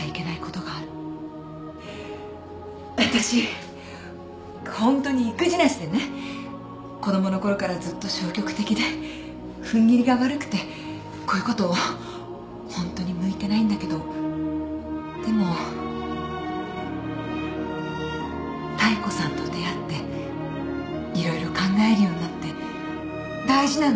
私ホントに意気地なしでね子供のころからずっと消極的で踏ん切りが悪くてこういうことホントに向いてないんだけどでも妙子さんと出会って色々考えるようになって大事なのはできるかどうかじゃなくて